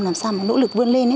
làm sao mà nỗ lực vươn lên